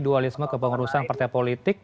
dualisme kepengurusan partai politik